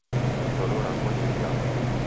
Ndodo rako ni riao?